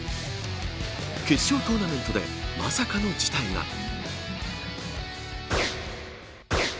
決勝トーナメントでまさかの事態が。